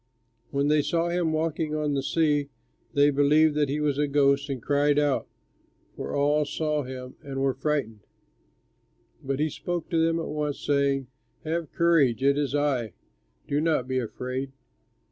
When they saw him walking on the sea, they believed that he was a ghost and cried out, for all saw him and were frightened; but he spoke to them at once, saying, "Have courage, it is I; do not be afraid."